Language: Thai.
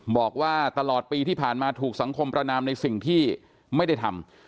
บอกว่าตลอดปีที่ผ่านมาถูกสังคมประนามในสิ่งที่ไม่ได้ทำ